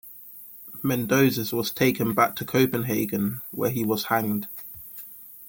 Mendoses was taken back to Copenhagen where he was hanged.